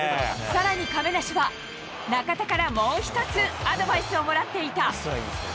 さらに亀梨は、中田からもう１つアドバイスをもらっていた。